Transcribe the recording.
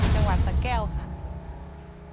จังหวัดสะแก้วค่ะ